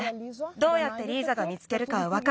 どうやってリーザが見つけるかわかるから。